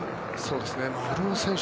丸尾選手